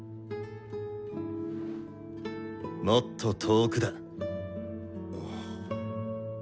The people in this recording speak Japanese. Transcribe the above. もっと遠くだ。